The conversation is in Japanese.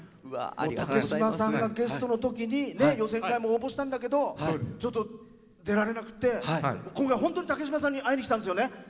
竹島さんがゲストのときに予選会も応募したんだけど出られなくて今回、竹島さんに会いに来たんですよね。